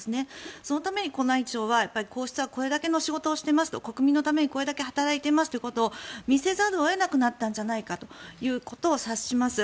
そのために宮内庁はこれだけの仕事をしています国民のためにこれだけ働いていますということを見せざるを得なくなったということを察します。